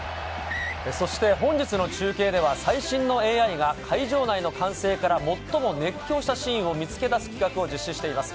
本日の中継では最新のＡＩが会場内の歓声から最も熱狂したシーンを見つけ出す企画を実施しています。